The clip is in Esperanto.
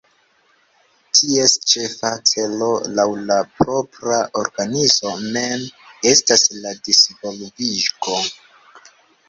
Ties ĉefa celo, laŭ la propra organizo mem, estas la disvolvigo.